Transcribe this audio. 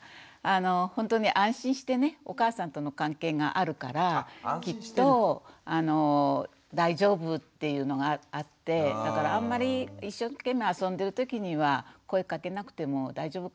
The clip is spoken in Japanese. ほんとに安心してねお母さんとの関係があるからきっと大丈夫っていうのがあってだからあんまり一生懸命遊んでる時には声かけなくても大丈夫かなってふうには思いますね。